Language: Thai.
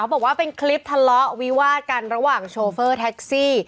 บอกว่าเป็นคลิปทะเลาะวิวาดกันระหว่างโชเฟอร์แท็กซี่